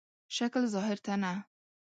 شکل ظاهر ته نه.